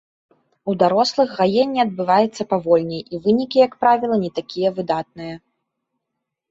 У дарослых гаенне адбываецца павольней, і вынікі, як правіла, не такія выдатныя.